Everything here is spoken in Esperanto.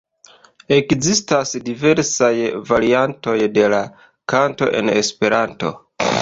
Ekzistas diversaj variantoj de la kanto en Esperanto.